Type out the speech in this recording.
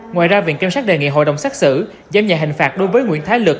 ngoài ra viện kiểm soát đề nghị hội đồng xét xử giám nhạc hình phạt đối với nguyễn thái lực